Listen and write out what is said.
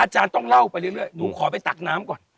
อาจารย์ต้องเล่าไปเรื่อยหนูขอไปตักน้ำก่อน